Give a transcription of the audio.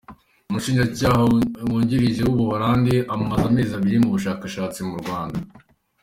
Umushinjacyaha wungirije w’u Buholandi amaze amezi abiri mu bushakashatsi mu Rwanda